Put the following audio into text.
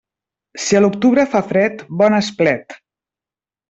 Si a l'octubre fa fred, bon esplet.